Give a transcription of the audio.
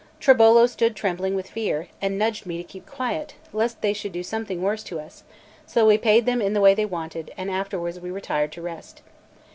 Tribolo stood trembling with fear, and nudged me to keep quiet, lest they should do something worse to us; so we paid them in the way they wanted, and afterwards we retired to rest.